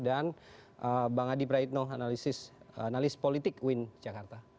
dan bang adi praetno analisis politik win jakarta